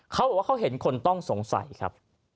เขาบอกว่าเขาเห็นคนต้องสงสัยครับ